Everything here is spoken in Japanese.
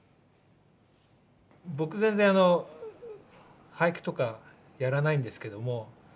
僕全然俳句とかやらないんですけども